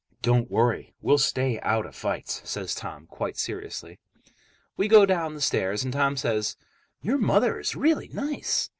"Don't worry. We'll stay out of fights," says Tom quite seriously. We go down the stairs, and Tom says, "Your mother is really nice."